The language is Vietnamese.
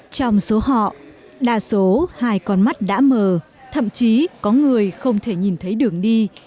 trong số họ đa số hai con mắt đã mờ thậm chí có người không thể nhìn thấy đường đi